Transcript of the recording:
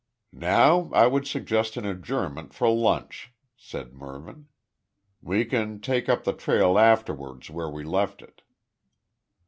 "Now I would suggest an adjournment for lunch," said Mervyn. "We can take up the trail afterwards where we left it."